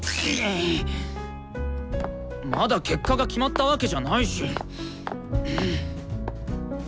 まだ結果が決まったわけじゃないし！